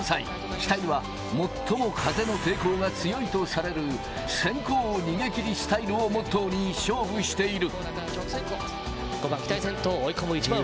北井は最も風の抵抗が強いとされる先行逃げ切りスタイルをモットーに勝負している。